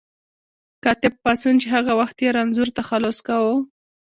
کاتب پاڅون چې هغه وخت یې رنځور تخلص کاوه.